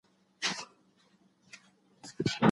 امام ابو حنيفة رحمه الله د ښځي استخدام او خلوت مکروه ګڼلی دی.